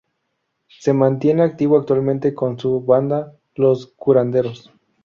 Se mantiene activo actualmente con su banda "Los curanderos".